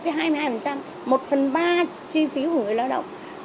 cái hai mươi hai một phần ba chi phí của người lao động